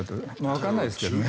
わからないですけどね。